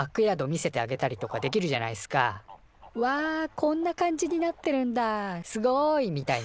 こんな感じになってるんだすごい！」みたいな。